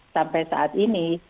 sampai saat ini